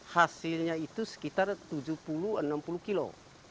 hasilnya itu sekitar tujuh puluh enam puluh kilo